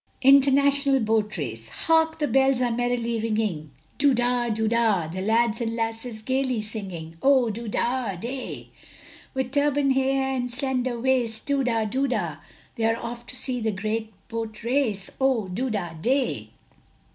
INTERNATIONAL BOAT RACE. Hark; the bells are merrily ringing, Doodah, doodah, The lads and lasses gaily singing, Oh doodah day. With turban hair, and slender waist, Doodah, doodah! They are off to see the Great Boat Race! Oh! doodah day.